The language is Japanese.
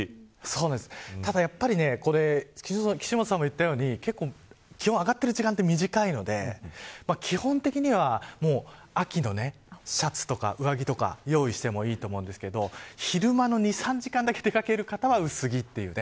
ただ、岸本さんも言ったように結構、気温が上がってる時間が短いので基本的には秋のシャツとか上着とか用意してもいいと思うんですけど昼間の２、３時間だけ出掛ける方は薄着というね。